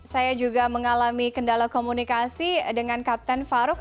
saya juga mengalami kendala komunikasi dengan kapten farouk